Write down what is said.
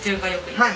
はい。